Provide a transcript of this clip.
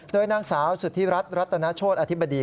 โดยนางสาวสุธิรัฐรัตนาโชธอธิบดี